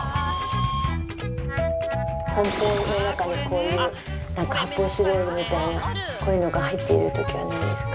梱包の中にこういう発泡スチロールみたいなこういうのが入っている時はないですか？